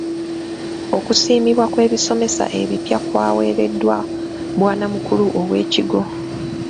Okusiimibwa kw'ebisomesa ebipya kwawereddwa bwanamukulu ow'ekigo.